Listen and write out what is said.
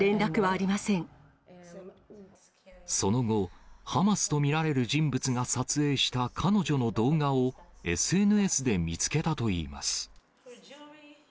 その後、ハマスと見られる人物が撮影した彼女の動画を、ＳＮＳで見つけたといいます。